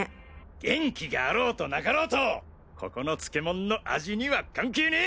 元気があろうとなかろうとここの漬けもんの味には関係ねぇ。